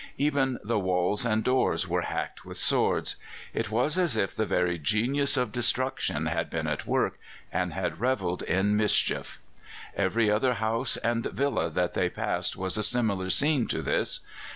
Even the walls and doors were hacked with swords. It was as if the very genius of destruction had been at work and had revelled in mischief. Every other house and villa that they passed was a similar scene to this.